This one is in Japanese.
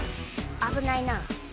危ないな。